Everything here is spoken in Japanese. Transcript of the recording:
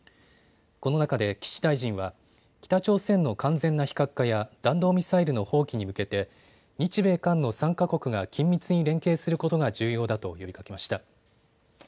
この中で岸大臣は北朝鮮の完全な非核化や弾道ミサイルの放棄に向けて日米韓の３か国が緊密に連携することが重要だと呼びかけました。